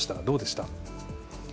どうでした？